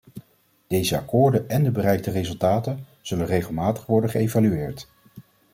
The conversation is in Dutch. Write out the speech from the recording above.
Deze akkoorden en de bereikte resultaten zullen regelmatig worden geëvalueerd.